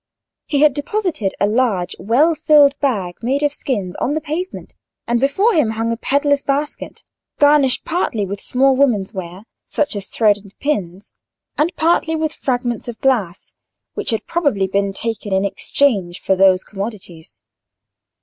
He had deposited a large well filled bag, made of skins, on the pavement, and before him hung a pedlar's basket, garnished partly with small woman's ware, such as thread and pins, and partly with fragments of glass, which had probably been taken in exchange for those commodities.